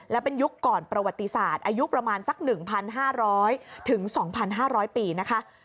และเป็นยุคก่อนประวัติศาสตร์อายุประมาณสัก๑๕๐๐๒๕๐๐ปีนะคะ